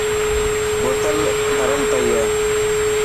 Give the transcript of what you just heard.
بوتل ڀريل پئي هي.